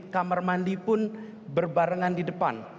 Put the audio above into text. kamar mandi pun berbarengan di depan